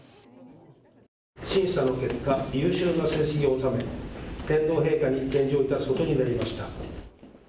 審査の結果、優秀な成績を収め天皇陛下に献上することになりました。